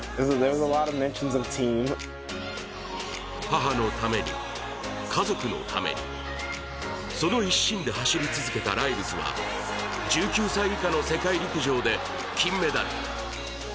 母のために、家族のために、その一心で走り続けたライルズは１９歳以下の世界陸上で金メダル。